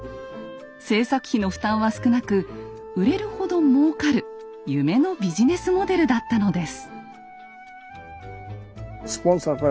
制作費の負担は少なく売れるほど儲かる夢のビジネスモデルだったのです。